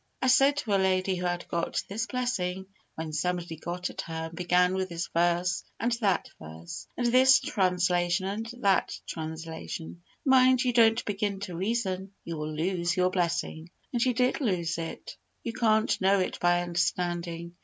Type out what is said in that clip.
I said to a lady who had got this blessing when somebody got at her and began with this verse and that verse, and this translation and that translation "Mind you don't begin to reason; you will lose your blessing" and she did lose it. You can't know it by understanding.